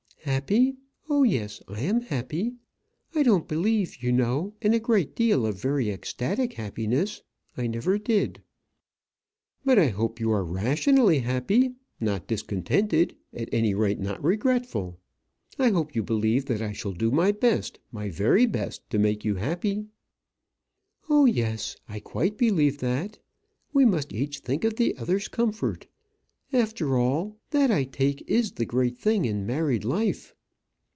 "Happy! oh yes I am happy. I don't believe you know in a great deal of very ecstatic happiness. I never did." "But I hope you are rationally happy not discontented at any rate, not regretful? I hope you believe that I shall do my best, my very best, to make you happy?" "Oh, yes; I quite believe that. We must each think of the other's comfort. After all, that I take it is the great thing in married life."